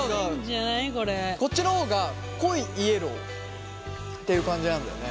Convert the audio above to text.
こっちの方が濃いイエローっていう感じなんだよね。